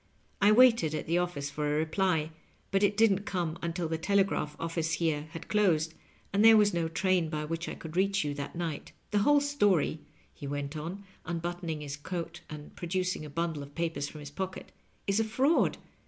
I waited at the office for a reply, but it didn't come until the tele graph office here had closed, and there wad no train by which I could reach you that night. The wbole story," he went on, imbuttoning his coat and producing a bundle of papers from his pocket, " is a fraud.